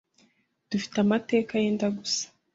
dufite amateka yenda gusa